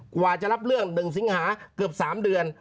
กว่าจะรับเรื่อง๑สิงหาเกือบ๓เดือน